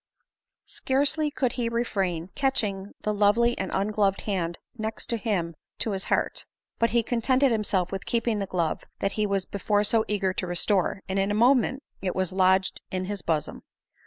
Scarcely could he refrain catching the lovely and ungloved hand next him to his heart; but be contented himself with keeping the glove that he was before so eager to restore, and in a moment it was lodged in his bosom.